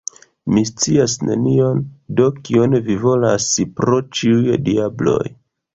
Mi scias nenion; do kion vi volas, pro ĉiuj diabloj?